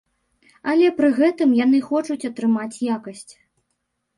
Але пры гэтым яны хочуць атрымаць якасць.